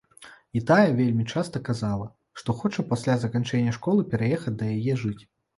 І тая вельмі часта казала, што хоча пасля заканчэння школы пераехаць да яе жыць.